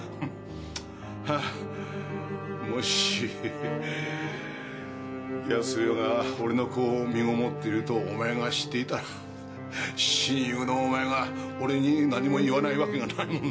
もし康代が俺の子を身ごもっているとお前が知っていたら親友のお前が俺に何も言わないわけがないもんな。